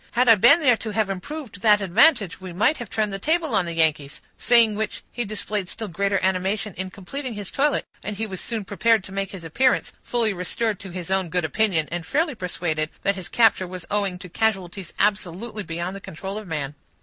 "Had I been there to have improved that advantage, we might have turned the table on the Yankees"; saying which he displayed still greater animation in completing his toilet; and he was soon prepared to make his appearance, fully restored to his own good opinion, and fairly persuaded that his capture was owing to casualties absolutely beyond the control of man.